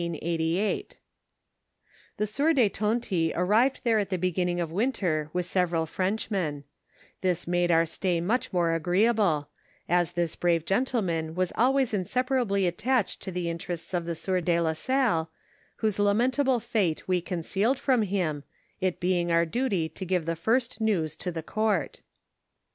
The sieur de Tonty arrived there at the beginning of win ter with several Frenchmen ; this made our stay much more agreeable, as this brave gentjieman was always inseparably attached to the interests of the sieur de la Salle, whose la mentable fate we concealed from him, it being our duty to give the first news to the court.